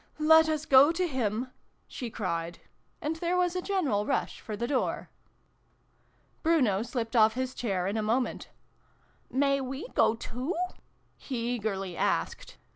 " Let us go to him !" she cried. And there was a general rush for the door. Bruno slipped off his chair in a moment. "May we go too?" he eagerly asked.